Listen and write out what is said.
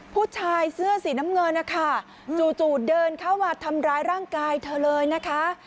ผู้ชายเสื้อสีน้ำเงินนะคะจู่เดินเข้ามาทำร้ายร่างกายเธอเลยนะคะ